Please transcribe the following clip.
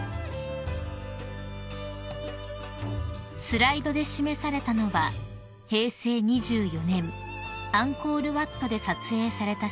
［スライドで示されたのは平成２４年アンコールワットで撮影された写真です］